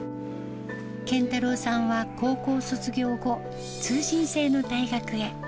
謙太郎さんは高校卒業後、通信制の大学へ。